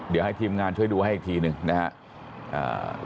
เดี๋ยวให้ทีมงานช่วยดูให้อีกทีหนึ่งนะครับ